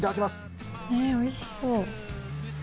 えおいしそう。